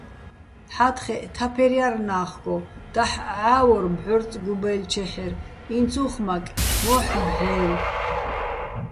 ჰ̦ა́თხეჸ თაფერ ჲარ ნა́ხგო, დაჰ̦ ჺა́ვორ ბჵორწ გუბა́́ჲლ'ჩეჰ̦ერ, ინც უ̂ხ მაკე̆, მო́ჰ̦ ბჵე́ვო̆.